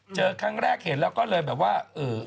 เจอครั้งแรกเห็นแล้วก็เลยแบบว่า